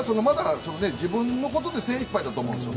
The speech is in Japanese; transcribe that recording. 自分のことでまだ精いっぱいだと思うんです。